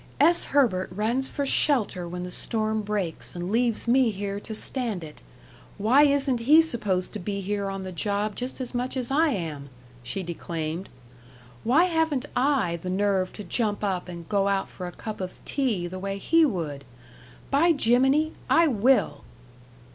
"S. Herbert runs for shelter when the storm breaks, and leaves me here to stand it. Why isn't he supposed to be here on the job just as much as I am?" she declaimed. "Why haven't I the nerve to jump up and go out for a cup of tea the way he would? By jiminy! I will!"